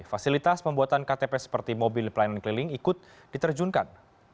fasilitas pembuatan ktp seperti mobil pelayanan keliling ikut diterjunkan